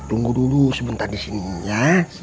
tunggu dulu sebentar di sini ya